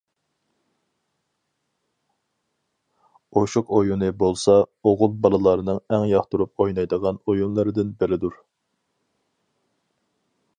ئوشۇق ئويۇنى بولسا، ئوغۇل بالىلارنىڭ ئەڭ ياقتۇرۇپ ئوينايدىغان ئويۇنلىرىدىن بىرىدۇر.